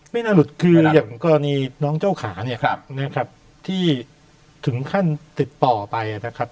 น่าหลุดคืออย่างกรณีน้องเจ้าขาเนี่ยนะครับที่ถึงขั้นติดต่อไปนะครับ